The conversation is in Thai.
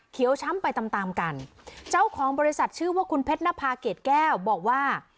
ช้ำไปตามตามกันเจ้าของบริษัทชื่อว่าคุณเพชรนภาเกรดแก้วบอกว่า